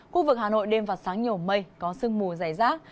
khu vực hà nội đêm và sáng nhiều mây có sương mù dày rác